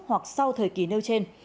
hoặc sau thời kỳ nêu trên